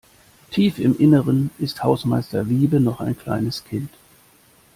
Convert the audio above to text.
Tief im Innern ist Hausmeister Wiebe noch ein kleines Kind.